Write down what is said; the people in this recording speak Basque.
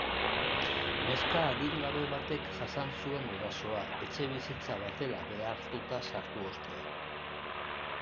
Neska adingabe batek jasan zuen erasoa, etxebizitza batera behartuta sartu ostean.